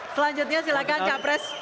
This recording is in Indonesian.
selanjutnya silakan capres